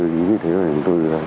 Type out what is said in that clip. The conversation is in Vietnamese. thì như thế là tôi